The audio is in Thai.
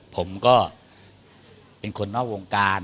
ผมก็เป็นคนนอกวงการ